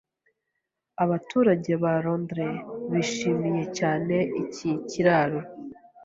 Abaturage ba Londres bishimiye cyane iki kiraro.